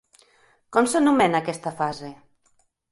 Com s'anomena aquesta fase?